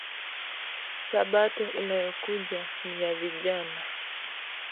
Sabato inayo kuja niya vijana